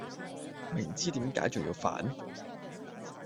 明知點解重要犯?